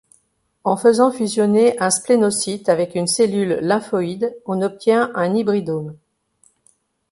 En faisant fusionner un splénocyte avec une cellule lymphoïde, on obtient un hybridome.